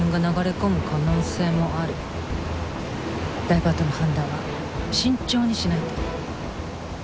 ダイバートの判断は慎重にしないと。